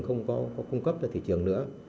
không có cung cấp cho thị trường nữa